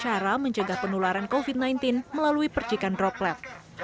cara menjaga penularan covid sembilan belas melalui percikan droplet